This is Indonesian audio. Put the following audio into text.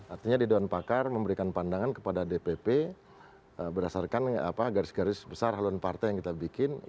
artinya di dewan pakar memberikan pandangan kepada dpp berdasarkan garis garis besar haluan partai yang kita bikin